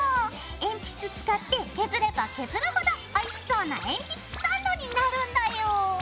鉛筆使って削れば削るほどおいしそうな鉛筆スタンドになるんだよ。